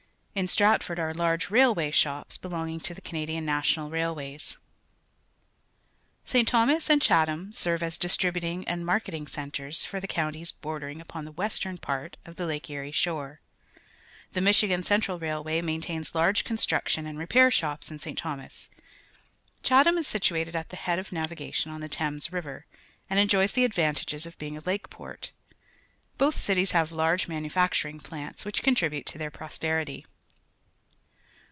Iii" Stratford are_ large railway shops, belonging to the Ca nadian National Railways. St. Thomas and Chatham serve as dis tributing and marketing centres for the coun ties bordering upon the western part of the Lake Erie shore. The Michigan Central Railway maintains large construction and repair shops in St. Thomas. Chatham is situated at the head of navigation on the Thames River, and enjoys the advantages of beuig a lake port, ^oth cities have large manufacturing plants which contribute to their prosperity.